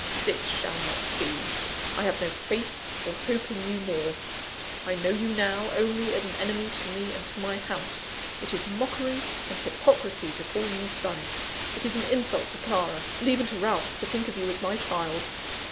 This shall not be. I have no faith or hope in you more. I know you now, only as an enemy to me and to my house it is mockery and hypocrisy to call you son; it is an insult to Clara, and even to Ralph, to think of you as my child.